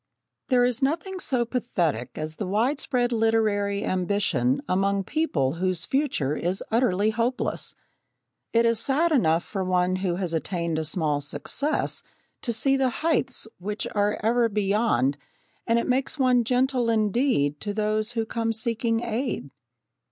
There is nothing so pathetic as the widespread literary ambition among people whose future is utterly hopeless. It is sad enough for one who has attained a small success to see the heights which are ever beyond, and it makes one gentle indeed to those who come seeking aid.